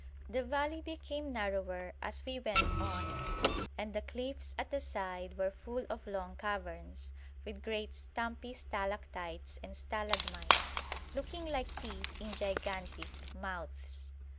The valley became narrower as we went on, and the cliffs at the side were full of long caverns, with great stumpy stalactites and stalagmites, looking like teeth in gigantic mouths.